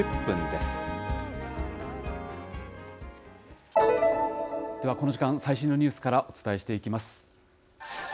ではこの時間、最新のニュースからお伝えしていきます。